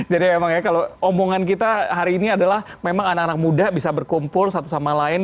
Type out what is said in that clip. jadi memang ya kalau omongan kita hari ini adalah memang anak anak muda bisa berkumpul satu sama lain